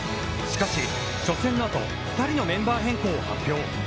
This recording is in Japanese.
しかし、初戦の後、２人のメンバー変更を発表。